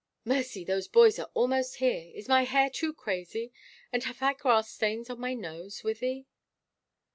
Mercy, those boys are almost here! Is my hair too crazy, and have I grass stains on my nose, Wythie?"